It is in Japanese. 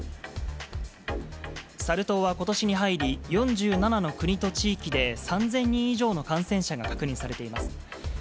サル痘は、ことしに入り、４７の国と地域で３０００人以上の感染者が確認されています。